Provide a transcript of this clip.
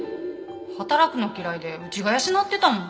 働くの嫌いでうちが養ってたもん。